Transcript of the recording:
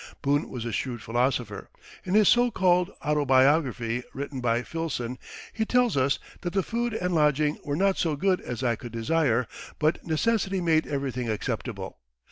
Boone was a shrewd philosopher. In his so called "autobiography" written by Filson, he tells us that the food and lodging were "not so good as I could desire, but necessity made everything acceptable."